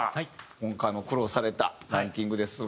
今回も苦労されたランキングですが。